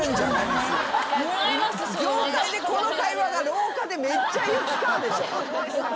業界でこの会話が廊下でめっちゃ行き交うでしょ。